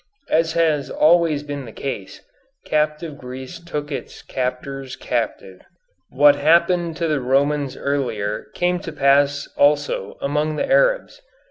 As has always been the case, captive Greece took its captors captive. What happened to the Romans earlier came to pass also among the Arabs.